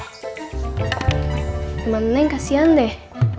cuman neng kasihan deh